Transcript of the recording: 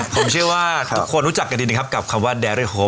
ผมเชื่อว่าทุกคนรู้จักกันดีครับกับคำว่าแดริโฮ